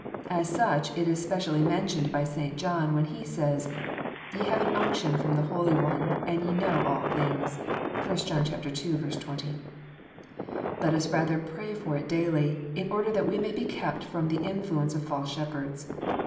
As such, it is specially mentioned by St. John, when he says, " Ye have an unction from the Holy One, and ye know all things." (1 John ii. 20.) Let us rather pray for it daily, in order that we may be kept from the influence of false shepherds.